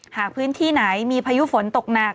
หากพื้นที่ไหนมีพายุฝนตกหนัก